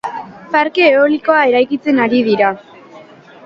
Parke eoilikoa eraikitzen ari dira.